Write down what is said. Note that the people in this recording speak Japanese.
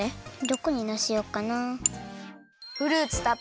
どこにのせようかな？